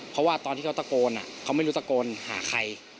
เพราะว่าตอนที่เขาตะโกนเขาไม่รู้ตะโกนหาใคร